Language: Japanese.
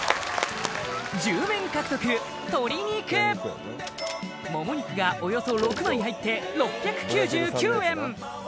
１０面獲得鶏肉もも肉がおよそ６枚入って６９９円